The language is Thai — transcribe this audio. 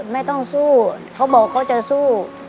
ไม่ต้องสู้เขาบอกเขาจะสู้